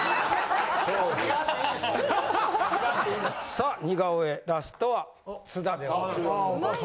さあ似顔絵ラストは津田でございます。